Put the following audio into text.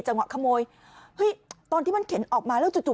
ขโมยเฮ้ยตอนที่มันเข็นออกมาแล้วจู่